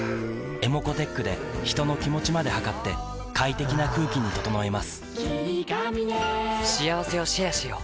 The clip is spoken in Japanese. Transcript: ｅｍｏｃｏーｔｅｃｈで人の気持ちまで測って快適な空気に整えます